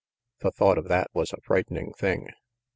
The thought of that was a frightening thing.